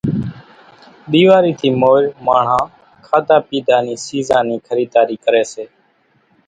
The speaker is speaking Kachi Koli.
ۮيواري ٿي مور ماڻۿان کاڌا پيڌا نِي سيزان نِي خريداري ڪري سي